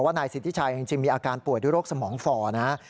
นายสิทธิชัยจริงมีอาการป่วยด้วยโรคสมองฝ่อนะครับ